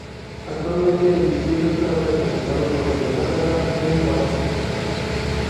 Actualmente el distrito está representado por el Demócrata Mel Watt.